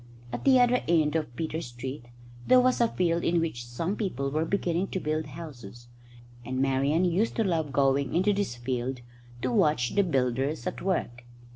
At the other end of Peter Street there was a field in which some people were beginning to build houses, and Marian used to love going into this field to watch the builders at work.